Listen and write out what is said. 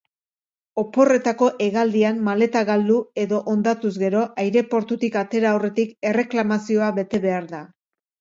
Oporretako hegaldian maleta galdu edo hondatuz gero aireportutik atera aurretik erreklamazioa bete behar da.